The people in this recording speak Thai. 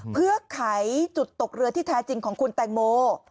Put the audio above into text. เพื่อไขจุดตกเรือที่แท้จริงของคุณแตงโม